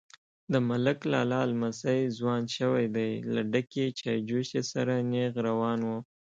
_د ملک لالا لمسی ځوان شوی دی، له ډکې چايجوشې سره نيغ روان و.